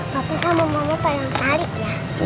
papa sama mama pengen tarik ya